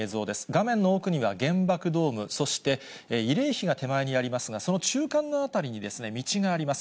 画面の奥には原爆ドーム、そして慰霊碑が手前にありますが、その中間の辺りに道があります。